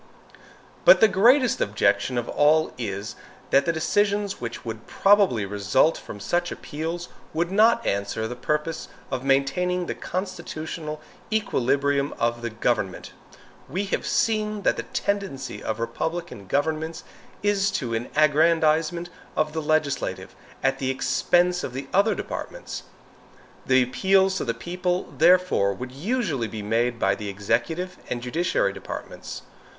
But the greatest objection of all is, that the decisions which would probably result from such appeals would not answer the purpose of maintaining the constitutional equilibrium of the government. We have seen that the tendency of republican governments is to an aggrandizement of the legislative at the expense of the other departments. The appeals to the people, therefore, would usually be made by the executive and judiciary departments.